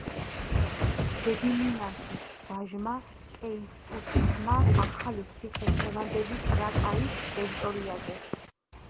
გედიმინასის ვაჟმა კეისტუტისმა ახალი ციხე დღევანდელი ტრაკაის ტერიტორიაზე.